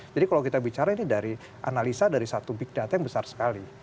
jadi kalau kita bicara ini dari analisa dari satu big data yang besar sekali